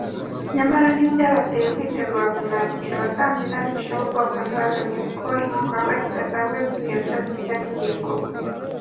; nyamara ntibyabateye kwitegura kumwakira. Abatambyi n’abigisha b’ubwoko ntibamenye ko igikorwa kidasanzwe cy’ibihe byose cyari kigiye kuba